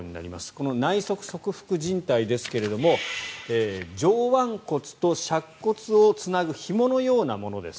この内側側副じん帯ですが上腕骨と尺骨をつなぐひものようなものです。